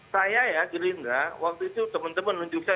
saya ya gerindra waktu itu teman teman nunjuk saya